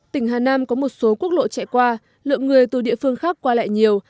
tỉnh hà nam có một số quốc lộ chạy qua lượng người từ địa phương khác qua lại nhiều